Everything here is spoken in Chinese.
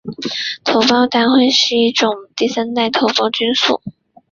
头孢达肟是一种第三代头孢菌素。